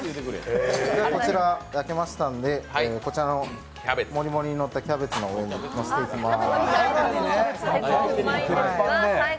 こちら、焼けましたので、こちらのもりもりにのったキャベツにのせていきます。